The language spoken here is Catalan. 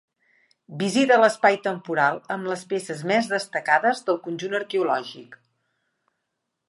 Visita l'espai temporal amb les peces més destacades del conjunt arqueològic.